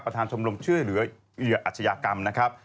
ประธานชมรมชื่อเหลืออัชยากรรมนะครับ